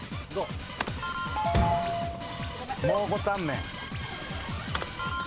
蒙こタンメン。